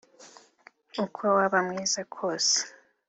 uko waba mwiza kose